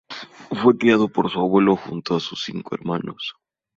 Fue criado por su abuelo junto a sus cinco hermanos.